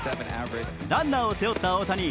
ランナーを背負った大谷。